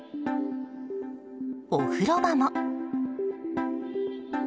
お風呂場も。